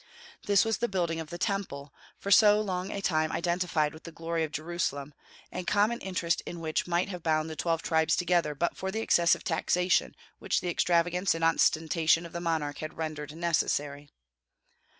This was the building of the Temple, for so long a time identified with the glory of Jerusalem, and common interest in which might have bound the twelve tribes together but for the excessive taxation which the extravagance and ostentation of the monarch had rendered necessary.